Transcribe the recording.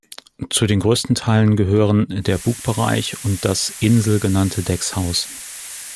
Zu den größten Teilen gehören der Bugbereich und das „Insel“ genannte Deckshaus.